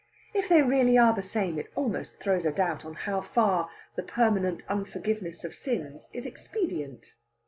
If they really are the same, it almost throws a doubt on how far the permanent unforgiveness of sins is expedient.